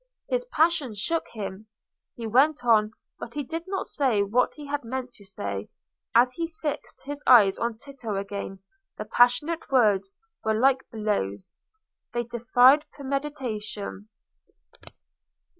His passion shook him. He went on, but he did not say what he had meant to say. As he fixed his eyes on Tito again the passionate words were like blows—they defied premeditation.